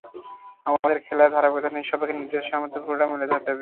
আমাদের খেলার ধারাবাহিকতা নেই, সবাইকে নিজেদের সামর্থ্যের পুরোটা মেলে ধরতে হবে।